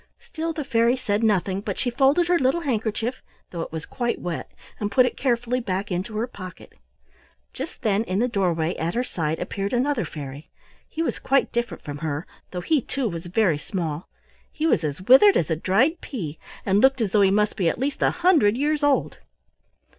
Still the fairy said nothing, but she folded her little handkerchief, though it was quite wet, and put it carefully back into her pocket. Just then in the doorway at her side appeared another fairy. He was quite different from her, though he, too, was very small. He was as withered as a dried pea, and looked as though he must be at least a hundred years old.